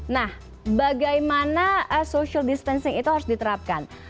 nah bagaimana social distancing itu harus diterapkan